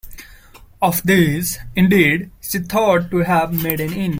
Of these, indeed, she thought to have made an end.